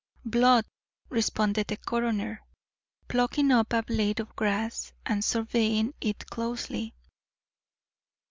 "Blood," responded the coroner, plucking up a blade of grass and surveying it closely.